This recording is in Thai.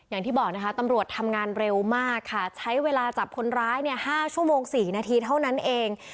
อย่างที่บอกนะคะตำรวจทำงานเร็วมากค่ะใช้เวลาจับคนร้ายเนี่ย๕ชั่วโมง๔นาทีเท่านั้นเอง